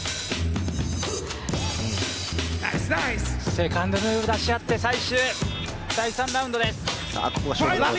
セカンドムーブ出し合って、最終、第３ラウンドです。